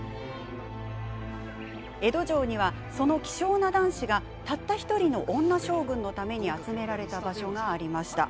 江戸城には、その希少な男子がたった１人の女将軍のために集められた場所がありました。